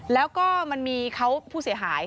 แล้วก็มันมีเขาผู้เสียหาย